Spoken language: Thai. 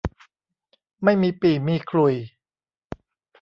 ไม่มีปี่มีขลุ่ย